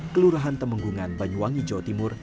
kelurahan temenggungan banyuwangi jawa timur